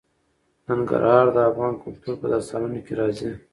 ننګرهار د افغان کلتور په داستانونو کې راځي.